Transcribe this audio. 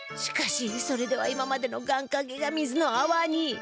しかしそれでは今までの願かけが水のあわに！